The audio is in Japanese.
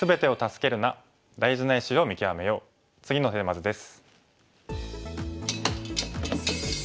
次のテーマ図です。